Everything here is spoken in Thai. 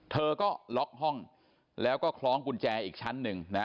เธอก็ล็อกห้องแล้วก็คล้องกุญแจอีกชั้นหนึ่งนะ